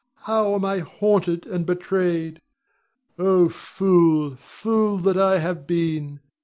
How am I haunted and betrayed! Oh, fool, fool that I have been!